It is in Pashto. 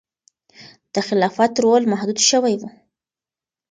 د خلافت رول محدود شوی و.